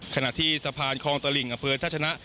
ขณะที่สะพานคลองตระหลิงอเผินทหาชนะ